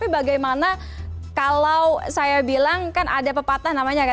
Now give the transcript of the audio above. bagaimana kalau saya bilang kan ada pepatah namanya kan